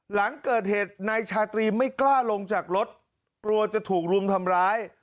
หลังเกิดเหตุนายชาตรีไม่กล้าลงจากรถกลัวจะถูกรุมทำร้าย